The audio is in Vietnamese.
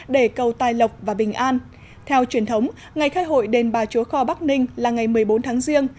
để cầu tài lộc và bình an theo truyền thống ngày khai hội đền bà chúa kho bắc ninh là ngày một mươi bốn tháng riêng